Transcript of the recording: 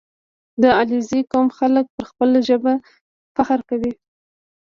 • د علیزي قوم خلک پر خپله ژبه فخر کوي.